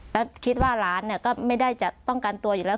แล้วคิดว่าหลานก็ไม่ได้จะป้องกันตัวอยู่แล้ว